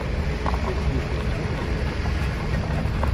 Itri di tiṭ, d amerwal.